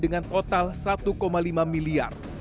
dengan total satu lima miliar